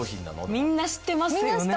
みんな知ってますよね。